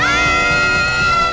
ah ini dia